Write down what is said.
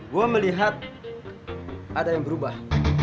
gue melihat ada yang berubah